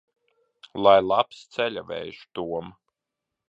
Lai labs ceļavējš, Tom!